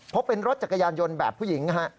พบเป็นรถจักรยานยนต์แบบผู้หญิงนะฮะ